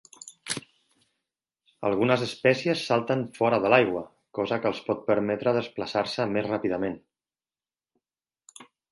Algunes espècies salten fora de l'aigua, cosa que els pot permetre desplaçar-se més ràpidament.